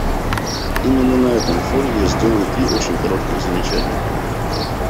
Именно на этом фоне я сделаю три очень коротких замечания.